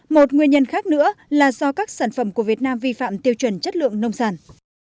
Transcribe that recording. một nguyên nhân khác nữa là do các sản phẩm của việt nam vi phạm tiêu chuẩn chất lượng nông sản